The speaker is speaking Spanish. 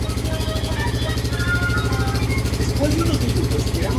Fue cantante, guitarrista y compositor.